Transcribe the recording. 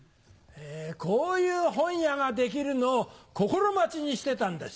こういう本屋が出来るのを心待ちにしてたんです。